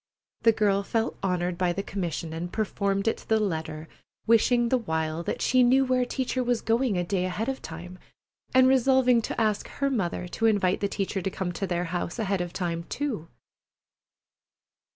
The girl felt honored by the commission, and performed it to the letter, wishing the while that she knew where Teacher was going a day ahead of time, and resolving to ask her mother to invite the teacher to come to their house ahead of time, too.